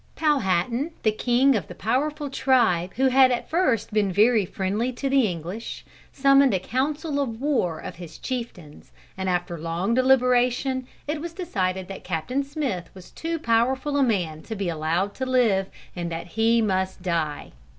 Powhatan, the king of the powerful tribe who had at first been very friendly to the English, summoned a council of war of his chieftains, and after long deliberation, it was decided that Captain Smith was too powerful a man to be allowed to live, and that he must die.